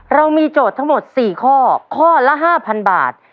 เรามีโจทย์ทั้งหมด๔ข้อข้อละ๕๐๐๐บาท